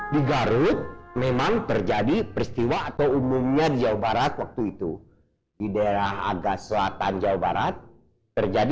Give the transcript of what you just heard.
di garut memang terjadi peristiwa atau umumnya di jawa barat waktu itu di daerah agak selatan jawa barat terjadi